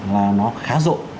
là nó khá rộng